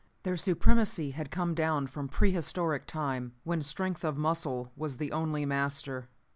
Their supremacy had come down from pre historic time, when strength of muscle was the only master.